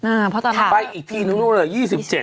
อ่าเพราะตอนนั้นค่ะถัดไปอีกทีนึงรู้เรื่อยี่สิบเจ็ด